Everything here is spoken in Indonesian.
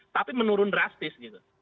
tapi menurun drastis gitu